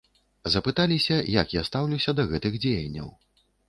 Запыталіся, як я стаўлюся да гэтых дзеянняў.